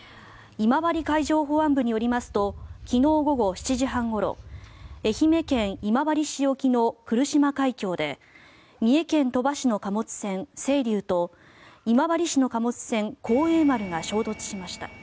今治海上保安部によりますと昨日午後７時半ごろ愛媛県今治市沖の来島海峡で三重県鳥羽市の貨物船「せいりゅう」と今治市の貨物船「幸栄丸」が衝突しました。